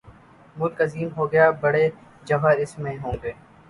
ملک عظیم ہو گا، بڑے جواہر اس میں ہوں۔